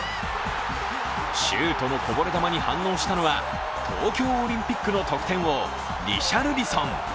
シュートのこぼれ球に反応したのは東京オリンピックの得点王、リシャルリソン。